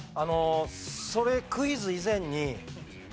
それクイズ以前に。